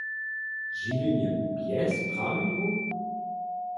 Žiwjenje bjez prawidłow?